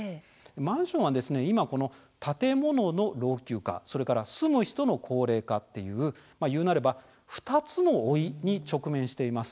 マンションは今、建物の老朽化それから住む人の高齢化という２つの老いに直面しています。